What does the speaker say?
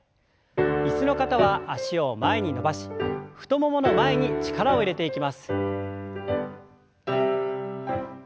椅子の方は脚を前に伸ばし太ももの前に力を入れていきます。